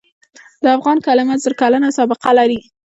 د افغان کلمه زر کلنه سابقه لري.